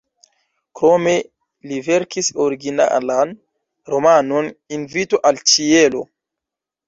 Krome li verkis originalan romanon "Invito al ĉielo".